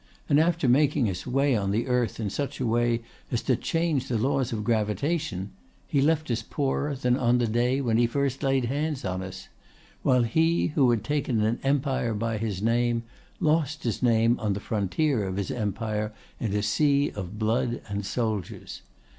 And after making us weigh on the earth in such a way as to change the laws of gravitation, he left us poorer than on the day when he first laid hands on us; while he, who had taken an empire by his name, lost his name on the frontier of his empire in a sea of blood and soldiers.